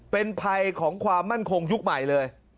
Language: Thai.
เป็นภัยของความมั่นคงยุคใหม่เลย